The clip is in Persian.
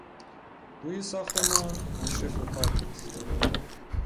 روی ساختمان مشرف به پارک است.